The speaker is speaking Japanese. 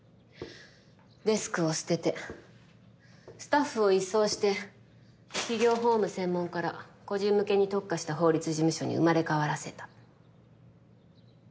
デスクを捨ててスタッフを一掃して企業法務専門から個人向けに特化した法律事務所に生まれ変わらせた。